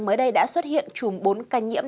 mới đây đã xuất hiện chùm bốn ca nhiễm